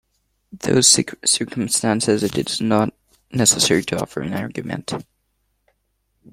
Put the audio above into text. Those circumstances it is not necessary to offer in argument.